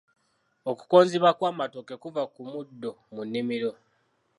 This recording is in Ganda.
Okukonziba kw'amatooke kuva ku muddo mu nnimiro.